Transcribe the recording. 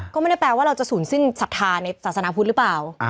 ก็ไม่ได้แปลว่าเราจะศูนย์สิ้นศรัทธาในศาสนาพุทธหรือเปล่า